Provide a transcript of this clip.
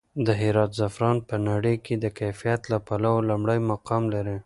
د هرات زعفران په نړۍ کې د کیفیت له پلوه لومړی مقام لري.